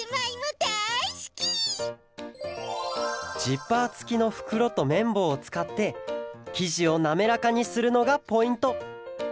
ジッパーつきのふくろとめんぼうをつかってきじをなめらかにするのがポイント。